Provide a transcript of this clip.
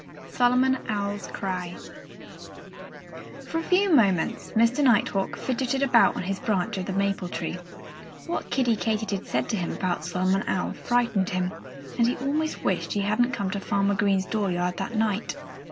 V SOLOMON OWL'S CRY For a few moments Mr. Nighthawk fidgeted about on his branch of the maple tree. What Kiddie Katydid said to him about Solomon Owl frightened him. And he almost wished he hadn't come to Farmer Green's dooryard that night.